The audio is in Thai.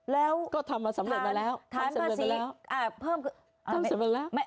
แล้วก็ทำมาสำเร็จมาแล้วทำสำเร็จมาแล้วอ่าเพิ่มคือทำสำเร็จมาแล้ว